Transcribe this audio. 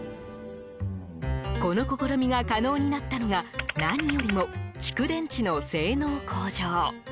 この試みが可能になったのが何よりも、蓄電池の性能向上。